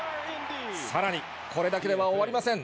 さらに、これだけでは終わりません。